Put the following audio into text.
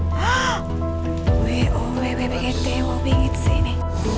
hah w o w w b g t o b gitu sih ini